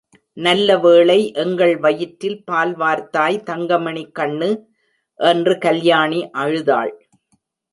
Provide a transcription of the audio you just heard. நல்லவேளை எங்கள் வயிற்றில் பால் வார்த்தாய் தங்கமணி கண்ணு, என்று கல்யாணி அழுதாள்.